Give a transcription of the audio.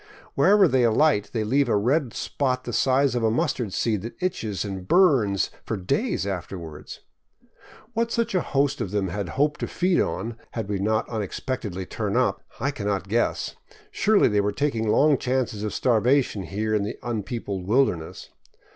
Wherever they alight they leave a red spot the size of a mustard seed that itches and burns for days afterward. What such a host of them had hoped to feed on, had we not unex pectedly turned up, I cannot guess; surely they were taking long chances of starvation here in the unpeopled wilderness.